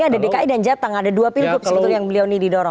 ada dki dan jateng ada dua pilgub sebetulnya yang beliau ini didorong